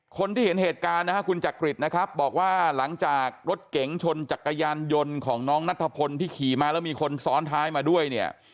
คนที่เห็นเหตุการณ์นะฮะคุณจักริตนะครับบอกว่าหลังจากรถเก๋งชนจักรยานยนต์ของน้องนัทพลที่ขี่มาแล้วมีคนซ้อนท้ายมาด้วยเนี่ย